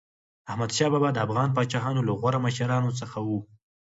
احمدشاه بابا د افغان پاچاهانو له غوره مشرانو څخه و.